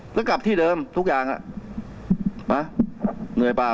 แล้วกลับที่เดิมทุกอย่างเหนื่อยเปล่า